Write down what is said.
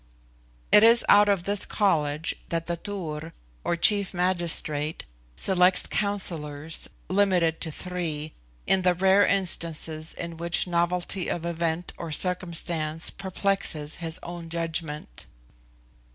It is out of this college that the Tur, or chief magistrate, selects Councillors, limited to three, in the rare instances in which novelty of event or circumstance perplexes his own judgment.